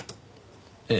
ええ。